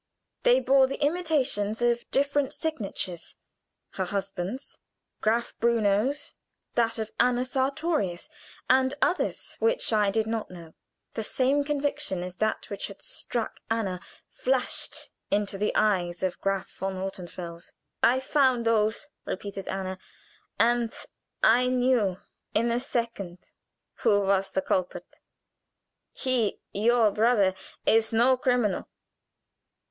They bore the imitations of different signatures; her husband's, Graf Bruno's, that of Anna Sartorius, and others which I did not know. The same conviction as that which had struck Anna flashed into the eyes of Graf von Rothenfels. "I found those," repeated Anna, "and I knew in a second who was the culprit. He, your brother, is no criminal.